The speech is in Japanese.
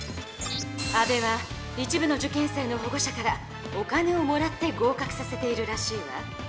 安部は一部の受験生の保護者からお金をもらって合かくさせているらしいわ。